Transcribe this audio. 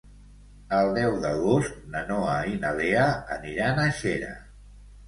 El deu d'agost na Noa i na Lea aniran a Xera.